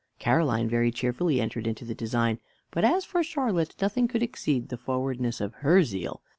Caroline very cheerfully entered into the design; but as for Charlotte, nothing could exceed the forwardness of her zeal.